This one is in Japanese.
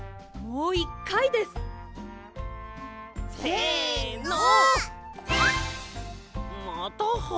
もう１かいです！せの！